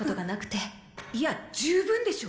いや十分でしょ。